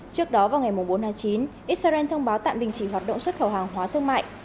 trước đó vào ngày bốn tháng chín israel thông báo tạm đình chỉ hoạt động xuất khẩu hàng hóa thương mại